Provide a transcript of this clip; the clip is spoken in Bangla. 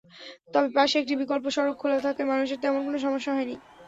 তবে পাশে একটি বিকল্প সড়ক খোলা থাকায় মানুষের তেমন কোনো সমস্যা হয়নি।